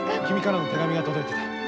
君からの手紙が届いてた。